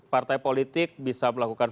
partai politik bisa melakukan